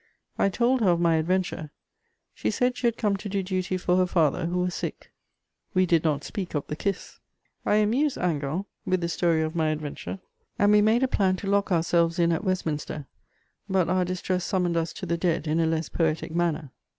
I told her of my adventure; she said she had come to do duty for her father, who was sick: we did not speak of the kiss. * I amused Hingant with the story of my adventure, and we made a plan to lock ourselves in at Westminster; but our distress summoned us to the dead in a less poetic manner.